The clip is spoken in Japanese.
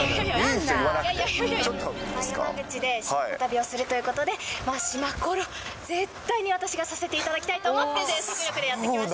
山口で島ホ旅をするということで、島コロ、絶対に私がさせていただきたいと思って、全速力でやって来ました。